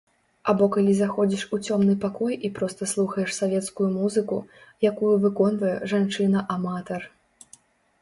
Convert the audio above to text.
Або калі заходзіш у цёмны пакой і проста слухаеш савецкую музыку, якую выконвае жанчына-аматар.